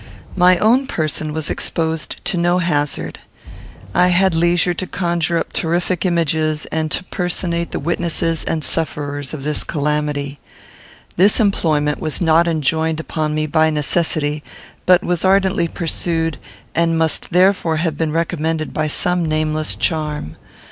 My own person was exposed to no hazard. I had leisure to conjure up terrific images, and to personate the witnesses and sufferers of this calamity. This employment was not enjoined upon me by necessity, but was ardently pursued, and must therefore have been recommended by some nameless charm.